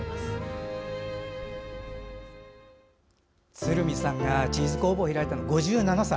鶴見さんがチーズ工房を開いたのは５７歳。